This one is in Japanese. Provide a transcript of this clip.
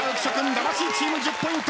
魂チーム１０ポイント。